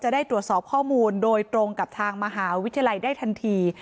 ได้ตรวจสอบข้อมูลโดยตรงกับทางมหาวิทยาลัยได้ทันที